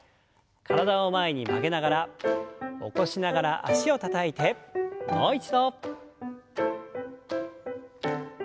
体を前に曲げながら起こしながら脚をたたいてもう一度。